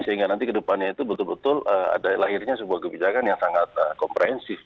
sehingga nanti ke depannya itu betul betul ada lahirnya sebuah kebijakan yang sangat komprehensif